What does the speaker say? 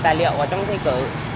tài liệu vào trong thi cử